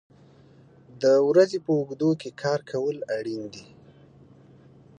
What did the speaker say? د ورځې په اوږدو کې کار کول اړین دي.